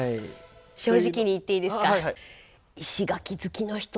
正直に言っていいですか？